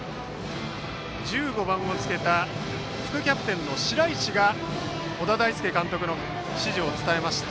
１５番をつけた副キャプテンの白石が小田大介監督の指示を伝えました。